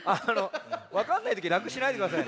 わかんないときらくしないでください。